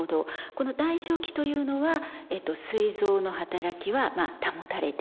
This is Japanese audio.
この代償期というのはすい臓の働きは保たれている状態。